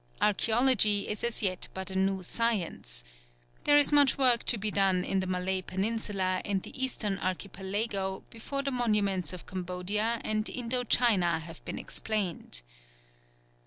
Archæology is as yet but a new science. There is much work to be done in the Malay Peninsula and the Eastern Archipelago before the monuments of Cambodia and Indo China have been explained.